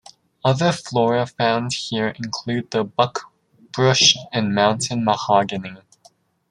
Other flora found here include the buckbrush and mountain mahogany.